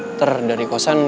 ntar dari kosan